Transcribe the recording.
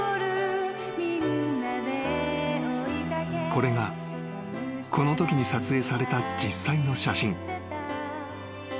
［これがこのときに撮影された実際の写真］